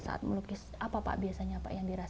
saat melukis apa pak biasanya yang dirasa